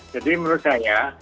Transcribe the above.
jadi menurut saya